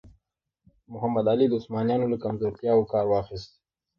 محمد علي د عثمانیانو له کمزورتیاوو کار واخیست.